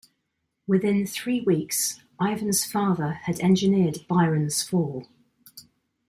Within three weeks Ivan's father had engineered Biron's fall.